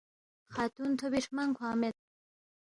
خاتون تھوبی ہرمنگ کھوانگ مید